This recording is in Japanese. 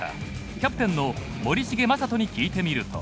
キャプテンの森重真人に聞いてみると。